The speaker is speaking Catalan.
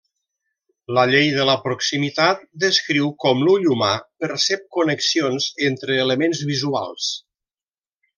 La llei de la proximitat descriu com l'ull humà percep connexions entre elements visuals.